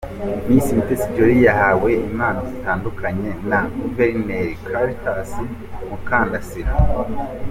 Miss Mutesi Jolly yahawe impano zitandukanye na Guverineri Cartas Mukandasira.